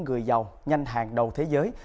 người giàu nhanh hàng đầu thế giới